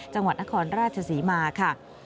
จังหวัดนครราชศรีมาค่ะ